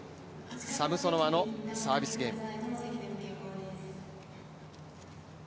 サムソノワのサービスゲーム。